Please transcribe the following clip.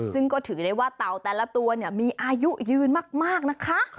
ซึ่งก็ถือได้ว่าเต่าแต่ละตัวมีอายุยืนมากนะคะ